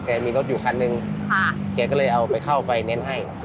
มีรถอยู่คันหนึ่งแกก็เลยเอาไปเข้าไฟเน้นให้